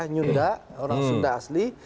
nyunda orang sunda asli